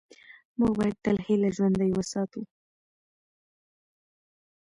موږ باید تل هیله ژوندۍ وساتو